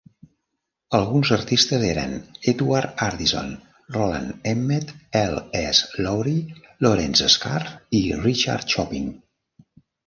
Alguns artistes eren Edward Ardizzone, Roland Emmett, L. S. Lowry, Lawrence Scarfe i Richard Chopping.